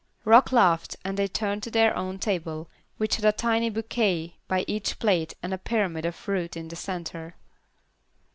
Rock laughed, and they turned to their own table, which had a tiny bouquet by each plate and a pyramid of fruit in the centre.